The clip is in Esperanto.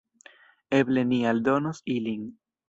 Eble ni aldonos ilin.